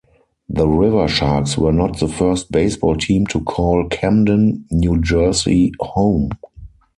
The Riversharks were not the first baseball team to call Camden, New Jersey home.